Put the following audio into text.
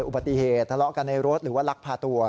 อุบัติเหตุทะเลาะกันในรถหรือว่าลักพาตัว